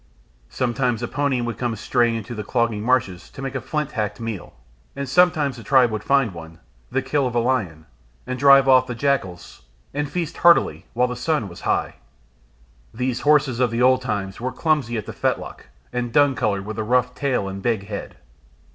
Sometimes a pony would come straying into the clogging marshes to make a flint hacked meal, and sometimes the tribe would find one, the kill of a lion, and drive off the jackals, and feast heartily while the sun was high. These horses of the old time were clumsy at the fetlock and dun coloured, with a rough tail and big head.